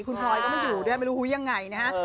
คุณพลอยก็ไม่อยู่ด้วยไม่รู้ยังไงนะฮะ